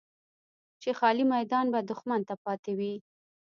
چې خالي میدان به دښمن ته پاتې وي.